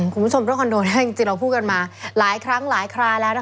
คุณผู้ชมเรื่องคอนโดจริงเราพูดกันมาหลายครั้งหลายคราแล้วนะคะ